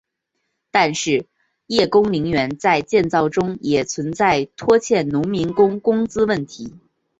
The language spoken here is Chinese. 但是叶公陵园在建造中也存在拖欠农民工工资问题。